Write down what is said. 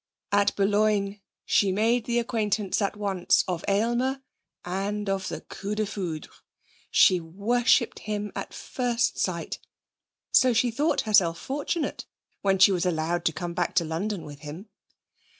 At Boulogne she made the acquaintance at once of Aylmer, and of the coup de foudre. She worshipped him at first sight. So she thought herself fortunate when she was allowed to come back to London with him.